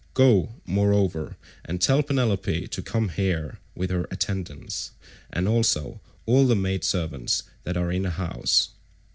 Go, moreover, and tell Penelope to come here with her attendants, and also all the maidservants that are in the house."